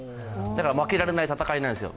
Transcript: だから負けられない戦いなんですよ。